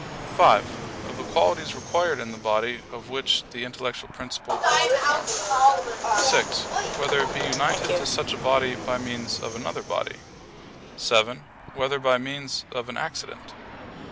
(5) Of the qualities required in the body of which the intellectual principle is the form? (6) Whether it be united to such a body by means of another body? (7) Whether by means of an accident?